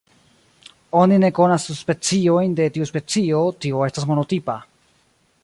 Oni ne konas subspeciojn de tiu specio, tio estas monotipa.